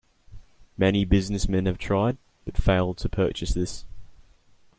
Many businessmen have tried, but failed to purchase this.